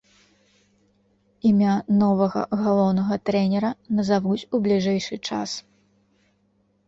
Імя новага галоўнага трэнера назавуць у бліжэйшы час.